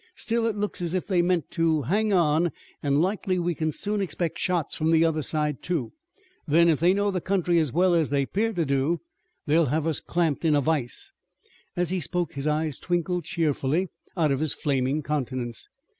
Still it looks as if they meant to hang on an' likely we kin soon expect shots from the other side, too. Then if they know the country as well as they 'pear to do they'll have us clamped in a vise." As he spoke his eyes twinkled cheerfully out of his flaming countenance.